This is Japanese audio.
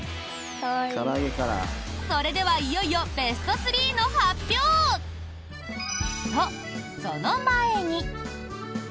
それではいよいよベスト３の発表！と、その前に。